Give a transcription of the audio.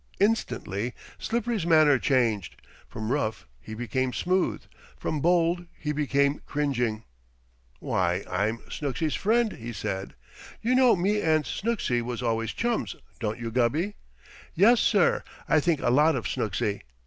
Instantly Slippery's manner changed. From rough he became smooth. From bold he became cringing. "Why, I'm Snooksy's friend," he said. "You know me and Snooksy was always chums, don't you, Gubby? Yes, sir, I think a lot of Snooksy.